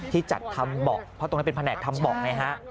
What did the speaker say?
ที่จัดทำเบาะเพราะตรงนั้นเป็นแผนกทำเบาะไงฮะ